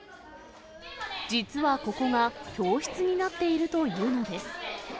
実はここが、教室になっているというのです。